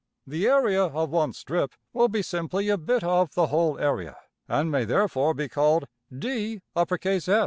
The area of one strip will be simply a bit of the whole area, and may therefore be called~$dS$.